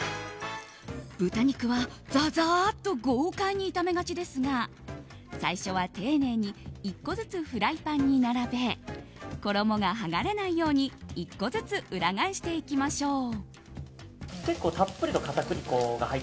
豚肉はザザーッと豪快に炒めがちですが最初は丁寧に１個ずつフライパンに並べ衣が剥がれないように１個ずつ裏返していきましょう。